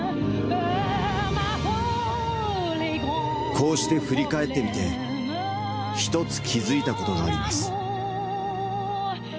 こうして振り返ってみて、１つ気付いたことがあります。